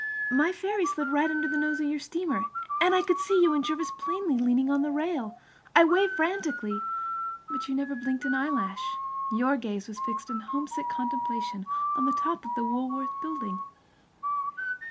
My ferry slid right under the nose of your steamer, and I could see you and Jervis plainly leaning on the rail. I waved frantically, but you never blinked an eyelash. Your gaze was fixed in homesick contemplation upon the top of the Woolworth Building.